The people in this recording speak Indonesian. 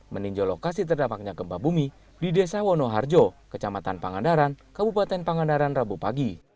meninjau lokasi terdapatnya gempa bumi di desa wonoharjo kecamatan pangandaran kabupaten pangandaran rabu pagi